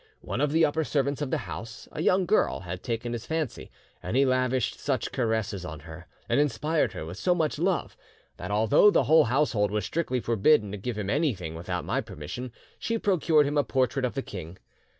One of the upper servants of the house, a young girl, had taken his fancy, and he lavished such caresses on her and inspired her with so much love, that although the whole household was strictly forbidden to give him anything without my permission, she procured him a portrait of the king.